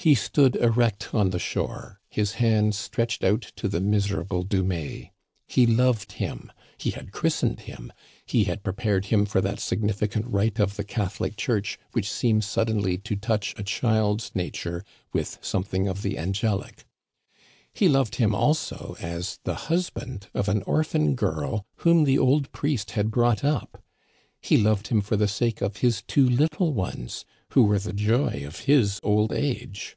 He stood erect on the shore, his hands stretched out to the misera ble Dumais. He loved him ; he had christened him ; he had prepared him for that significant rite of the Catholic Church which seems suddenly to touch a child's nature with something of the angelic. He loved him also as the husband of an orphan girl whom the old priest had brought up. He loved him for the sake of his two little ones, who were the joy of his old age.